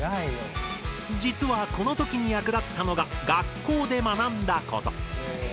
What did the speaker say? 実はこの時に役立ったのが学校で学んだこと。